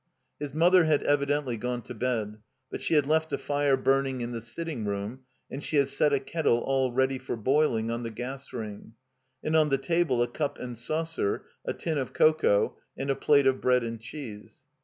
His mother had evidently gone to bed; but she had left a fire burning in the sitting room, and she had set a kettle all ready for boiling on the gas ring, and on the table a cup and saucer, a tin of cocoa, and a plate of bread and cheese.